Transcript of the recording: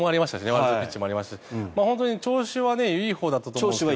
ワイルドピッチもありましたし本当に調子がいいほうだと思います。